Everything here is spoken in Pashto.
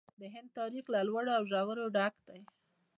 د هند تاریخ له لوړو او ژورو ډک دی.